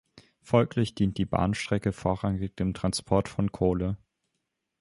Folglich dient die Bahnstrecke vorrangig dem Transport von Kohle.